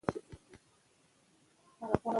افغانستان د تنوع د ساتنې لپاره قوانین لري.